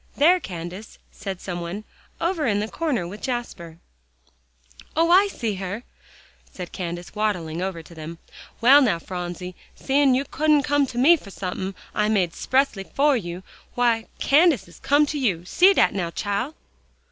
"There, Candace," said some one, "over in the corner with Jasper." "Oh! I see her," said Candace, waddling over to them. "Well, now, Phronsie, seein' you couldn't come to me for somethin' I made 'xpressly fer you, w'y, Candace has to come to you. See dat now, chile!"